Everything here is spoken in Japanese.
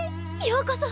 ようこそ！